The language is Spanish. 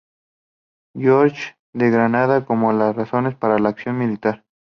George de Granada, como las razones para la acción militar.